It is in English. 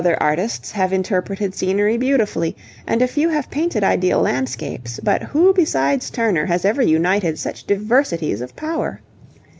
Other artists have interpreted scenery beautifully, and a few have painted ideal landscapes, but who besides Turner has ever united such diversities of power?